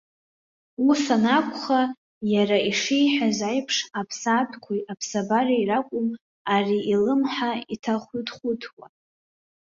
Ус анакәха, иара ишиҳәаз аиԥш, аԥсаатәқәеи аԥсабареи ракәым ари илымҳа иҭахәыҭхәыҭуа!